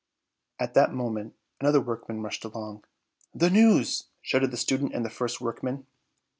At that moment another workman rushed along. "The news!" shouted the student and the first workman.